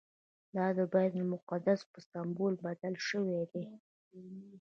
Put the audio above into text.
دا د بیت المقدس په سمبول بدل شوی دی.